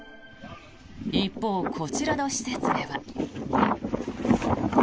一方、こちらの施設では。